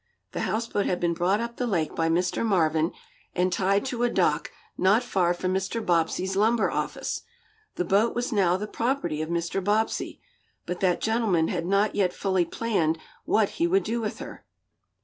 The houseboat had been brought up the lake by Mr. Marvin, and tied to a dock not far from Mr. Bobbsey's lumber office. The boat was now the property of Mr. Bobbsey, but that gentleman had not yet fully planned what he would do with her.